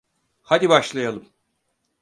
Hadi başlayalım.